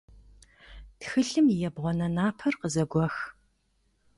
Тхылъым и ебгъуанэ напэр къызэгуэх.